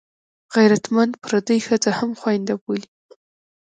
غیرتمند پردۍ ښځه هم خوینده بولي